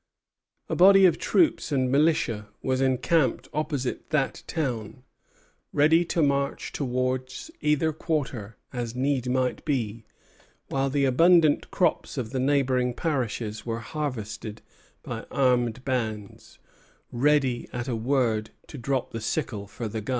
A body of troops and militia was encamped opposite that town, ready to march towards either quarter, as need might be, while the abundant crops of the neighboring parishes were harvested by armed bands, ready at a word to drop the sickle for the gun.